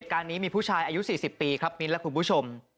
การนี้มีผู้ชายอายุ๔๐ปีครับมิ้นและคุณผู้ชม